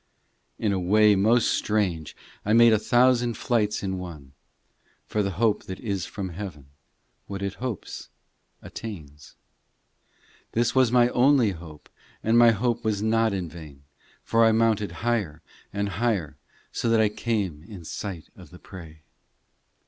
IV In a way most strange I made a thousand flights in one, For the hope that is from heaven, What it hopes, attains ; This was my only hope And my hope was not in vain, For I mounted higher and higher, So that I came in sight of the prey.